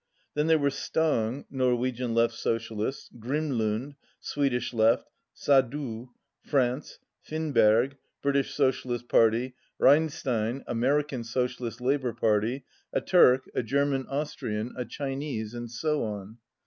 Then there were Stang (Norwegian Left Socialists), Grimlund (Swedish Left), Sadoul (France), Finberg (British Social ist Party), Rein^tein (American Socialist Labour Party), a Turk, a German Austrian, a Chinese, and so on.